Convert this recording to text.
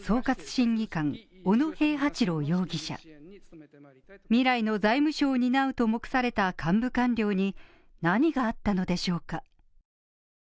審議官小野平八郎容疑者未来の財務省を担うと目された幹部官僚に何があったのでしょうか？